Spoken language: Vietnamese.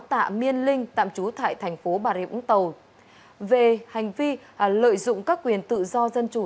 tạ miên linh tạm trú tại thành phố bà rịa úng tàu về hành vi lợi dụng các quyền tự do dân chủ